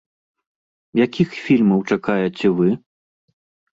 Якіх фільмаў чакаеце вы?